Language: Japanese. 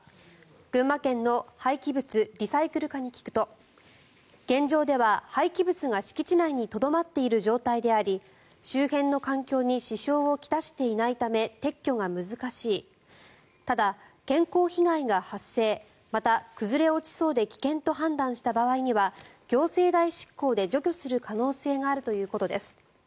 群馬県の廃棄物・リサイクル課に聞くと現状では、廃棄物が敷地内にとどまっている状態であり周辺の環境に支障を来していないため撤去が難しいただ、健康被害が発生また崩れ落ちそうで危険と判断した場合には行政代執行で除去する可能性があるということです。